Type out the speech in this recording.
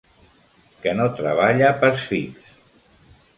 Que no treballa pas fix.